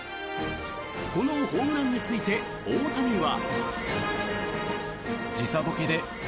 このホームランについて大谷は。